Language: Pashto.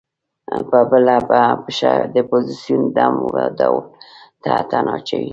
په بله پښه د اپوزیسون ډم و ډول ته اتڼ اچوي.